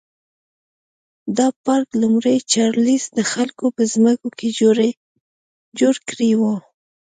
دا پارک لومړي چارلېز د خلکو په ځمکو کې جوړ کړی و.